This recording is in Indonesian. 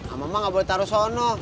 emak emak gak boleh taro sono